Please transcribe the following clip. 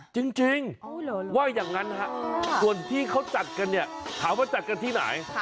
จริงว่าอย่างนั้นฮะส่วนที่เขาจัดกันเนี่ยถามว่าจัดกันที่ไหน